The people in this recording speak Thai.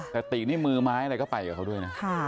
แต่ตินี่มือไม้อะไรก็ไปกับเขาด้วยนะ